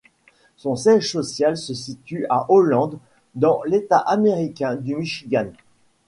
Son siège social se situe à Holland dans l’État américain du Michigan.